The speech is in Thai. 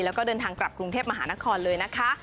แล้วก็เดินทางกลับกรุงเทพมหานครเลยนะคะ